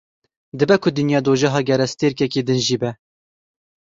Dibe ku dinya dojeha gerestêrkeke din jî be.